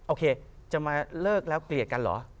โอเคจะมาเลิกแล้วเกลียดกันเหรอ